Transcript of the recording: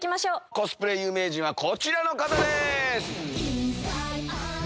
コスプレ有名人はこちらの方です。